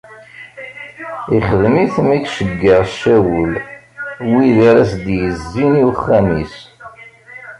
Ixdem-it mi iceggeɛ Cawul wid ara as-d-izzin i uxxam-is.